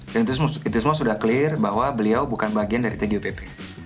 dan itu semua sudah clear bahwa beliau bukan bagian dari tgopp